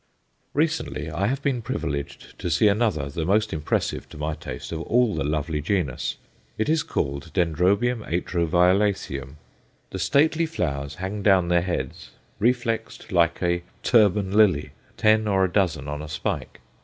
Recently I have been privileged to see another, the most impressive to my taste, of all the lovely genus. It is called D. atro violaceum. The stately flowers hang down their heads, reflexed like a "Turban Lily," ten or a dozen on a spike.